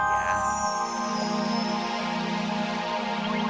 ame hajarun iya